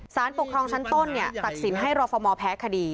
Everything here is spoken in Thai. สารปกครองชั้นต้นตัดสินให้รอฟมแพ้คดี